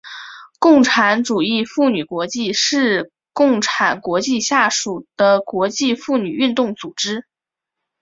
共产主义妇女国际是共产国际下属的国际妇女运动组织。